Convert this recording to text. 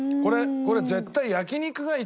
これ絶対。